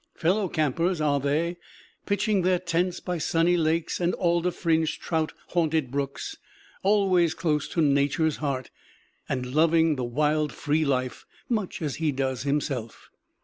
Fellow campers are they, pitching their tents by sunny lakes and alder fringed, trout haunted brooks, always close to Nature's heart, and loving the wild, free life much as he does himself.